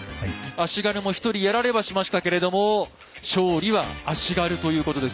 足軽も１人やられはしましたけれども勝利は足軽ということです。